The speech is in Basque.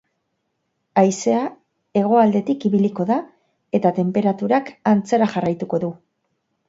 Haizea hegoaldetik ibiliko da eta tenperaturak antzera jarraituko du.